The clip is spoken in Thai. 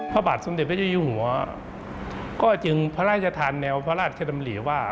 พระบาทสมเด็จพระเจ้าอยู่หัวก็จึงพระราชทานแนวพระราชดำริว่า